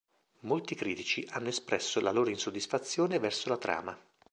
Molti critici hanno espresso la loro insoddisfazione verso la trama.